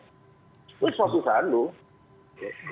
itu suatu sandung